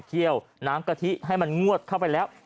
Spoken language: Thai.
เคี่ยวน้ำกะทิให้มันงวดเข้าไปแล้ว